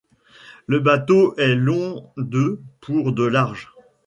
Le bateau est long de pour de large.